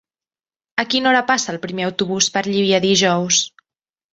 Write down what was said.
A quina hora passa el primer autobús per Llívia dijous?